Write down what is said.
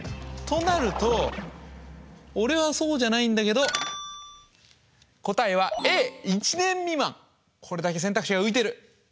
となると俺はそうじゃないんだけど答えはこれだけ選択肢が浮いてる。